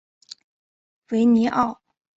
维尼奥。